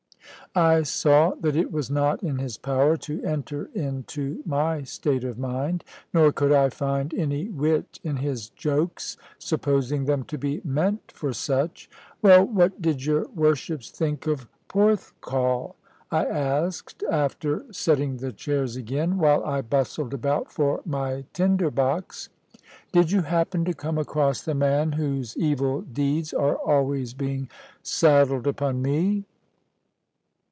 I saw that it was not in his power to enter into my state of mind: nor could I find any wit in his jokes, supposing them to be meant for such. "Well, what did your worships think of Porthcawl?" I asked, after setting the chairs again, while I bustled about for my tinder box: "did you happen to come across the man whose evil deeds are always being saddled upon me?"